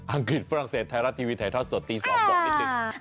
อังกฤษฝรั่งเศสไทยรัฐทีวีไถทอดสดตี๒บอกนิดนึง